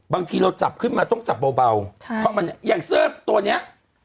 บางทีเราจับขึ้นมาต้องจับเบาใช่เพราะมันอย่างเสื้อตัวเนี้ย